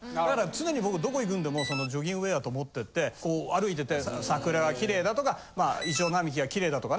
常に僕どこ行くんでもジョギングウェアと持ってって歩いてて桜がキレイだとかまあイチョウ並木がキレイだとかね。